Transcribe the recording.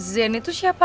zen itu siapa